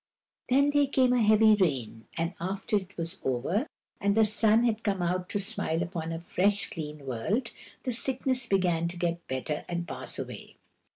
Then there came a heavy rain, and after it was over, and the sun had come out to smile upon a fresh, clean world, the sickness began to get better and pass away.